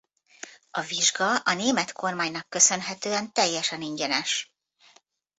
A vizsga a német kormánynak köszönhetően teljesen ingyenes.